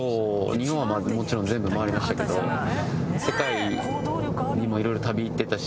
日本はもちろん全部回りましたけど世界にも色々旅行ってたし。